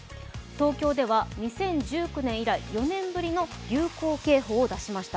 東京では２０１９年以来４年ぶりの流行警報を出しました。